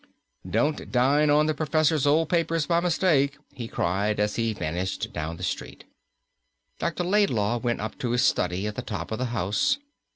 "Don't dine on the professor's old papers by mistake," he cried, as he vanished down the street. Dr. Laidlaw went up to his study at the top of the house.